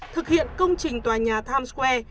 thực hiện công trình tòa nhà times square